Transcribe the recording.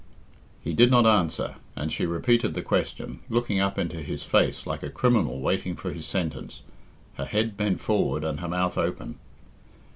He did not answer, and she repeated the question, looking up into his face like a criminal waiting for his sentence her head bent forward and her mouth open.